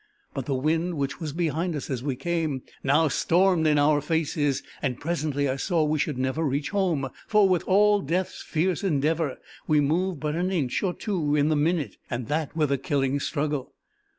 But the wind, which was behind us as we came, now stormed in our faces; and presently I saw we should never reach home, for, with all Death's fierce endeavour, we moved but an inch or two in the minute, and that with a killing struggle.